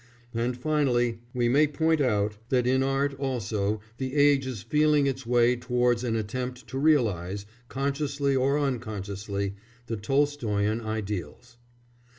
And finally, we may point out that in art also the age is feeling its way towards an attempt to realise, consciously or unconsciously, the Tolstoyan ideals.